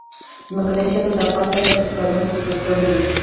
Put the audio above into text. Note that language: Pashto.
ځمکنی شکل د افغان تاریخ په کتابونو کې ذکر شوی دي.